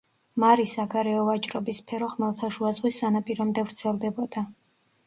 მარის საგარეო ვაჭრობის სფერო ხმელთაშუა ზღვის სანაპირომდე ვრცელდებოდა.